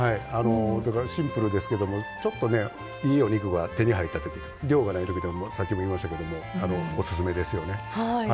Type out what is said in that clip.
シンプルですけどちょっと、いいお肉が手に入ったとき量がないときでもさっき言いましたけどもオススメですね。